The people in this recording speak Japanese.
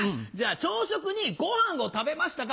朝食にご飯を食べましたか？